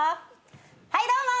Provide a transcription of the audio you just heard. はいどうも！